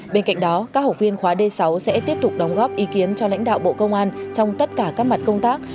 bên cạnh đó các học viên khóa d sáu sẽ tiếp tục đóng góp ý kiến cho lãnh đạo bộ công an trong tất cả các mặt công tác